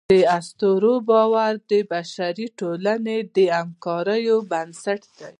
د اسطورو باور د بشري ټولنې د همکارۍ بنسټ و.